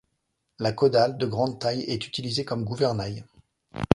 La caudale, de grande taille, est utilisée comme gouvernail.